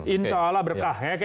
insya allah berkah